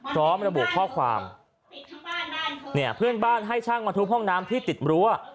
พร้อมระบุข้อความเนี่ยเพื่อนบ้านให้ช่างมาทุบห้องน้ำที่ติดรั้ว